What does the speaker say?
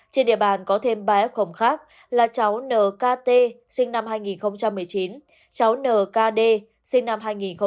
trên địa bàn có thêm ba f khác là cháu n k t sinh năm hai nghìn một mươi chín cháu n k d sinh năm hai nghìn một mươi chín